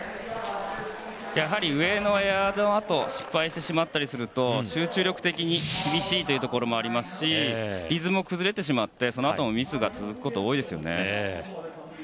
やはり上のエアのあと失敗してしまったりすると集中力的に厳しいというところもありますしリズムも崩れてそのあともミスが続くことが多いですよね。